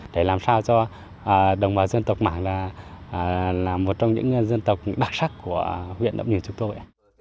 để làm sao cho đồng bào dân tộc mạng là một trong những dân tộc đặc sắc của huyện đậm như chúng tôi